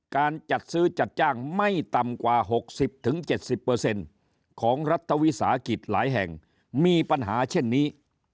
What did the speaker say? การจัดซื้อจัดจ้างไม่ต่ำกว่า๖๐๗๐ของรัฐวิสาหกิจหลายแห่งมีปัญหาเช่นนี้